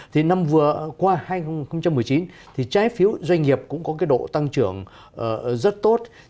thì năm vừa qua hai nghìn một mươi chín thì trái phiếu doanh nghiệp cũng có cái độ tăng trưởng rất tốt